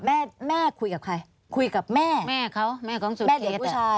แม่แม่คุยกับใครคุยกับแม่แม่เขาแม่ของแม่เด็กผู้ชาย